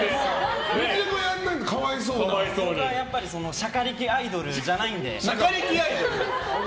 僕はしゃかりきアイドルじゃないんで。